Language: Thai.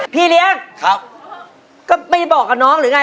พี่เลี้ยงครับก็ไม่ได้บอกกับน้องหรือไง